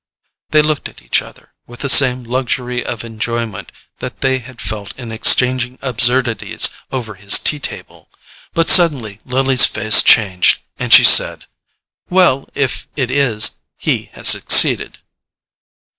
They looked at each other with the same luxury of enjoyment that they had felt in exchanging absurdities over his tea table; but suddenly Lily's face changed, and she said: "Well, if it is, he has succeeded."